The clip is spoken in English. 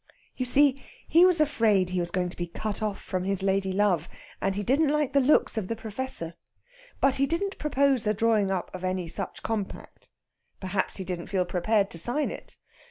You see, he was afraid he was going to be cut off from his lady love, and he didn't like the looks of the Professor. But he didn't propose the drawing up of any such compact. Perhaps he didn't feel prepared to sign it.